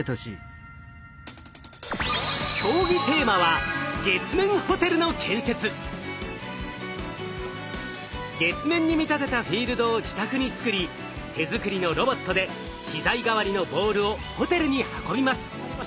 競技テーマは月面に見立てたフィールドを自宅に作り手作りのロボットで資材代わりのボールをホテルに運びます。